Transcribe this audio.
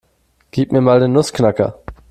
Gib mir mal den Nussknacker.